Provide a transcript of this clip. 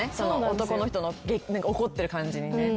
男の人の怒ってる感じにね。